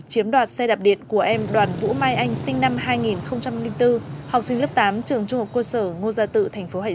chiếm đoạt xe đạp điện của em đoàn vũ mai anh sinh năm hai nghìn bốn học sinh lớp tám trường trung học quân sở ngô gia tự tp hcm